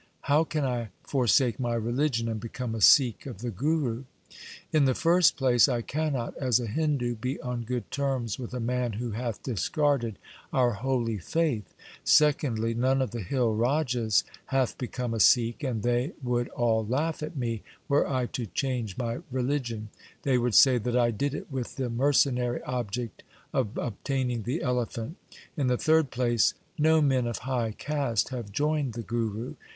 How can I forsake my religion, and become a Sikh of the Guru ? In the first place, I cannot as a Hindu be on good terms with a man who hath discarded our holy faith. Secondly, none of the hill rajas hath become a Sikh, and they would all laugh at me were I to change my religion. They would say that I did it with the mercenary object of obtaining the elephant. In the third place, no men of high caste have joined the Guru.